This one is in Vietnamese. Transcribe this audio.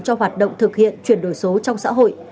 cho hoạt động thực hiện chuyển đổi số trong xã hội